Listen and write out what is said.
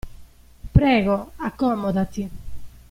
Prego, accomodati.